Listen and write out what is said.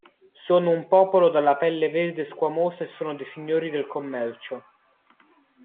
Sono un popolo dalla pelle verde squamosa e sono dei signori del commercio.